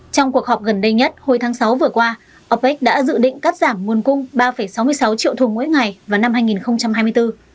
trong cuộc họp gần đây nhất hồi tháng sáu vừa qua opec đã dự định cắt giảm nguồn cung ba sáu mươi sáu triệu thùng mỗi ngày vào năm hai nghìn hai mươi bốn